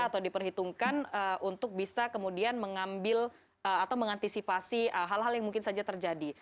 atau diperhitungkan untuk bisa kemudian mengambil atau mengantisipasi hal hal yang mungkin saja terjadi